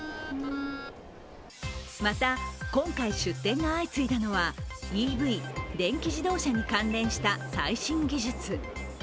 また、今回、出展が相次いだのはＥＶ＝電気自動車に関連した最新技術。